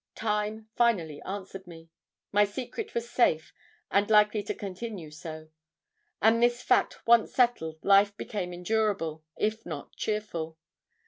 Time finally answered me. My secret was safe and likely to continue so, and this fact once settled, life became endurable, if not cheerful.